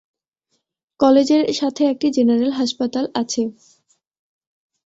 কলেজের সাথে একটি জেনারেল হাসপাতাল আছে।